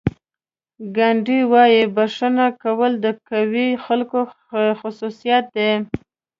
ګاندي وایي بښنه کول د قوي خلکو خصوصیت دی.